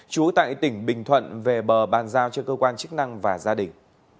chú tại tỉnh bình thuận về bờ bàn giao cho cơ quan chức năng và gia đình